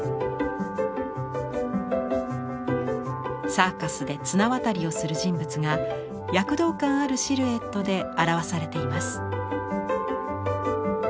サーカスで綱渡りをする人物が躍動感あるシルエットで表されています。